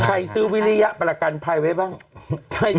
ซื้อวิริยประกันภัยไว้บ้าง